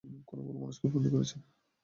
কোন ভুল মানুষকে বন্দি করেছি?